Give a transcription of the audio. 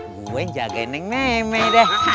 gue jagain yang nemeh deh